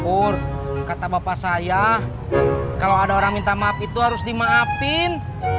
umur kata bapak saya kalau ada orang minta maaf itu harus dimaafin